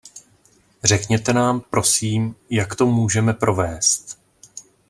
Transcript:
Řekněte nám prosím, jak to můžeme provést.